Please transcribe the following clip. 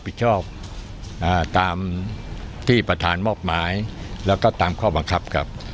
ผิดชอบตามที่ประธานมอบหมายแล้วก็ตามข้อบังคับครับ